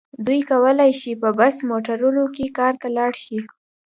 دوی کولای شي په بس موټرونو کې کار ته لاړ شي.